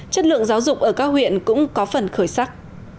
chất lượng giáo dục ở các huyện cũng có phần khởi sắc